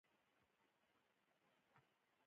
آا ب پ ت ټ ث ج ح چ خ څ